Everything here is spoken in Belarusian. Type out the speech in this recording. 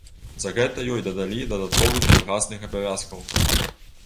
За гэта ёй дадалі дадатковых калгасных абавязкаў.